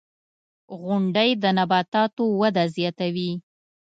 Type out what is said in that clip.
• غونډۍ د نباتاتو وده زیاتوي.